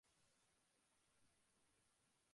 যত্তসব বালের আবিষ্কার করে!